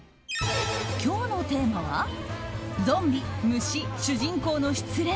今日のテーマはゾンビ、虫、主人公の失恋。